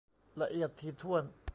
ละเอียดถี่ถ้วน